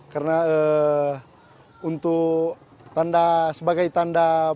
karena untuk tanda sebagai tanda pemerintah